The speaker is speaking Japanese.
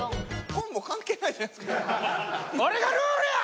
コンボ関係ないじゃないですか。